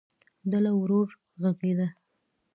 ډله ورو غږېده.